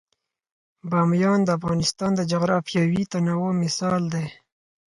بامیان د افغانستان د جغرافیوي تنوع مثال دی.